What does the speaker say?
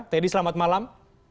teddy selamat malam